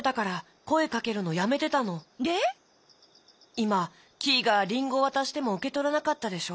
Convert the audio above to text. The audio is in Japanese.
いまキイがりんごわたしてもうけとらなかったでしょ？